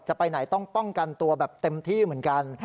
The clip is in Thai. จะไปไหนต้องป้องกันตัวแบบเต็มที่เหมือนกัน